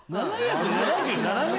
７７７ｍ